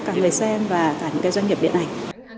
cả người xem và cả những cái doanh nghiệp điện ảnh